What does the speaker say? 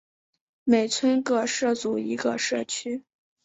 每村各设组一个社区。